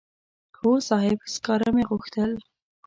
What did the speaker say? هو صاحب سکاره مې غوښتل.